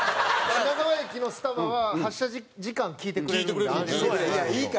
品川駅のスタバは発車時間聞いてくれるんで安心ですはい。